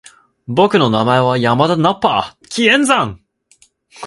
僕の名前は山田ナッパ！気円斬！